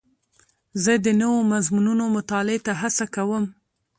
زه د نوو مضمونونو مطالعې ته هڅه کوم.